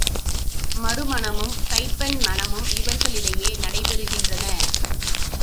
மறுமணமும், கைம்பெண் மணமும் இவர்களிடையே நடைபெறுகின்றன.